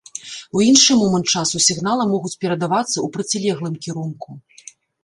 У іншы момант часу сігналы могуць перадавацца ў процілеглым кірунку.